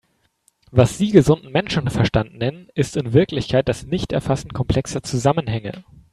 Was Sie gesunden Menschenverstand nennen, ist in Wirklichkeit das Nichterfassen komplexer Zusammenhänge.